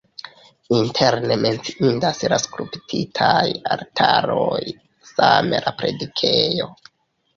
Interne menciindas la skulptitaj altaroj, same la predikejo.